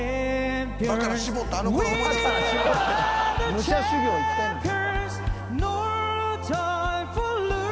武者修行行ってんねん。